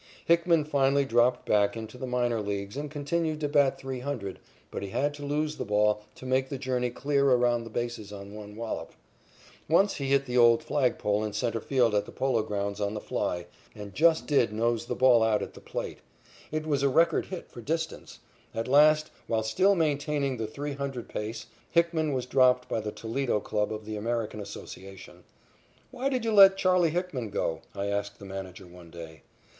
Hickman finally dropped back into the minor leagues and continued to bat three hundred, but he had to lose the ball to make the journey clear around the bases on one wallop. Once he hit the old flag pole in centre field at the Polo Grounds on the fly, and just did nose the ball out at the plate. It was a record hit for distance. At last, while still maintaining the three hundred pace, Hickman was dropped by the Toledo club of the American Association. "Why did you let Charley Hickman go?" I asked the manager one day.